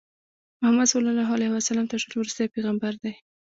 محمدﷺ تر ټولو ورستی پیغمبر دی.